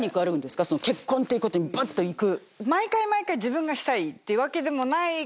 結婚っていうことにバッといく。